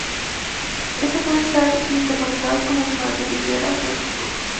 Estas pueden estar interconectadas con las madrigueras de otros grupos.